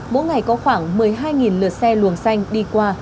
mỗi ngày có khoảng một mươi hai lượt xe luồng xanh đi qua